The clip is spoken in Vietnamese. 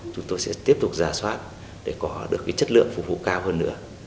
chúng tôi sẽ tiếp tục giả soát để có được chất lượng phục vụ cao hơn nữa